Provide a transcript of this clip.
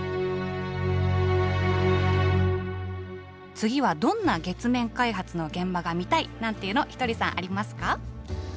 次はどんな月面開発の現場が見たいなんていうのはひとりさんありますか？